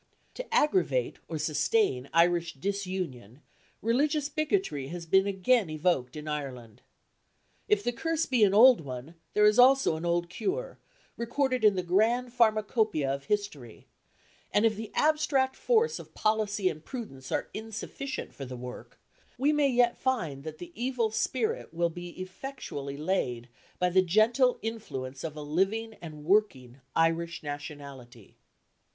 To aggravate or sustain Irish disunion, religious bigotry has been again evoked in Ireland. If the curse be an old one, there is also an old cure, recorded in the grand pharmacopoeia of history; and if the abstract force of policy and prudence are insufficient for the work, we may yet find that the evil spirit will be effectually laid by the gentle influence of a living and working Irish nationality.